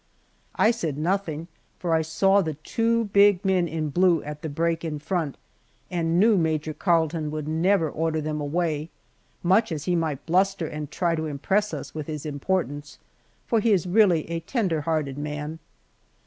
I said nothing, for I saw the two big men in blue at the brake in front, and knew Major Carleton would never order them away, much as he might bluster and try to impress us with his importance, for he is really a tender hearted man.